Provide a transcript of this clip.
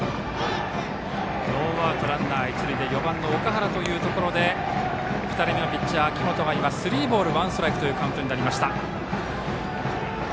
ノーアウトランナー、一塁で４番、岳原というところで２人目のピッチャー、秋本がスリーボールワンストライクというカウント。